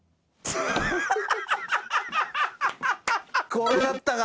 これだったか。